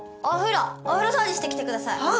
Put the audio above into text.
お風呂掃除してきてください！